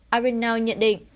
arrinal nhận định